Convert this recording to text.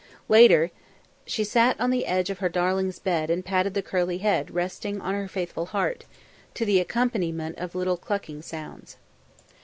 Later, she sat on the edge of her darling's bed and patted the curly head resting on her faithful heart, to the accompaniment of little clucking sounds.